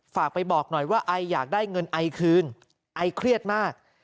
ฝากไปบอกหน่อยว่าไออยากได้เงินไอคืนไอเครียดมาก